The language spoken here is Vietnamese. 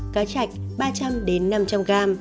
cá chạch ba trăm linh năm trăm linh g